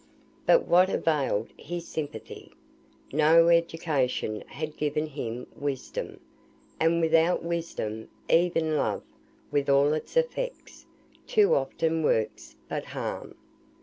But what availed his sympathy? No education had given him wisdom; and without wisdom, even love, with all its effects, too often works but harm.